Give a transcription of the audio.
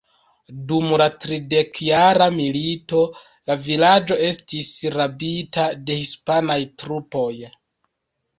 Dum la Tridekjara Milito la vilaĝo estis rabita de hispanaj trupoj.